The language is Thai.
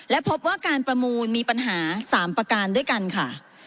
และพบว่าการประมูลมีปัญหา๓ประการด้วยกันค่ะ